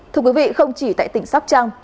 thưa quý vị không chỉ tại tỉnh sóc trăng